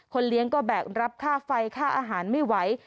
เลี้ยงก็แบกรับค่าไฟค่าอาหารไม่ไหว